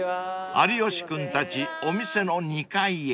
［有吉君たちお店の２階へ］